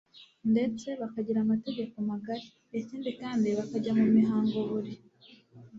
ndetse bakagira amatako magari. ikindi kandi bakajya mu mihango buri